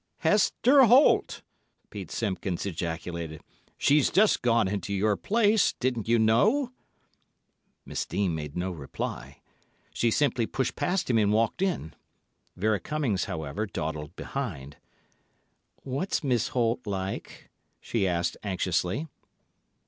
"Hester Holt!" Pete Simpkins ejaculated. "She's just gone into your place. Didn't you know?" Miss Dean made no reply. She simply pushed past him and walked in. Vera Cummings, however, dawdled behind. "What's Miss Holt like?" she asked anxiously.